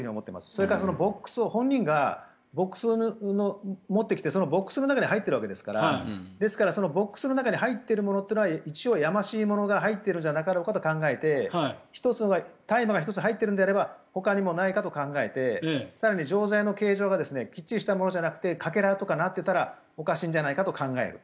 それから本人がボックスを持ってきてそのボックスの中に入ってるわけですからですから、ボックスの中に入っているものというのは一応、やましいものが入っているんじゃなかろうかと考えて大麻が１つ入っているのであればほかにもないかと考えて更に錠剤の形状がきっちりしたものじゃなくてかけらとかになっていたらおかしいんじゃないかと考える。